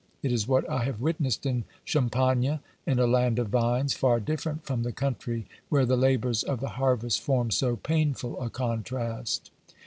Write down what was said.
It is what I have witnessed in Champagne, in a land of vines, far different from the country where the labours of the harvest form so painful a contrast."